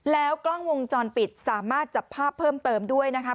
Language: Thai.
แล้วกล้องวงจรปิดสามารถจับภาพเพิ่มเติมด้วยนะคะ